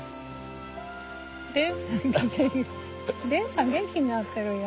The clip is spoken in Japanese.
デンさん元気になってるやん。